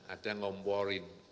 ada yang ngomporin